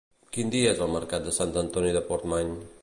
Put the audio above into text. Quin dia és el mercat de Sant Antoni de Portmany?